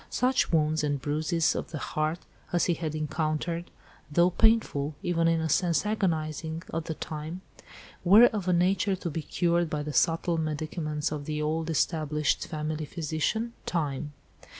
Such wounds and bruises of the heart, as he had encountered, though painful, even in a sense agonising, at the time, were of a nature to be cured by the subtle medicaments of the old established family physician, Time.